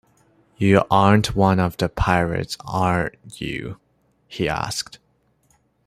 “You aren’t one of the pirates, are you?” he asked.